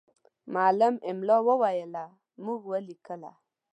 معلم املا وویله، موږ ولیکله.